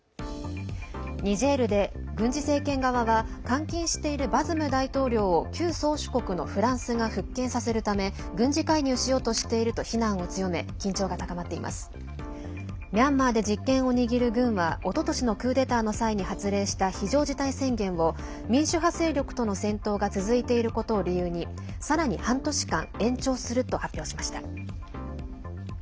ニジェールで軍事政権側は監禁しているバズム大統領を旧宗主国のフランスが復権させるため軍事介入しようとしているとミャンマーで実権を握る軍はおととしのクーデターの際に発令した非常事態宣言を民主派勢力との戦闘が続いていることを理由にさらに半年間延長すると発表しました。